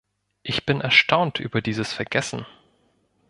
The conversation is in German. Ich bin erstaunt über dieses Vergessen.